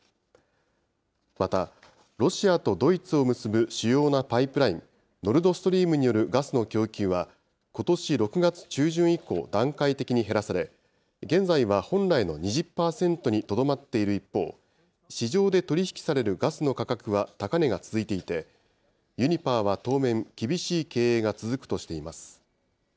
また、ロシアとドイツを結ぶ主要なパイプライン、ノルドストリームによるガスの供給は、ことし６月中旬以降、段階的に減らされ、現在は本来の２０％にとどまっている一方、市場で取り引きされるガスの価格は高値が続いていて、ユニパーは当面、厳しい経営が続くとしています。